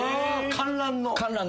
観覧の。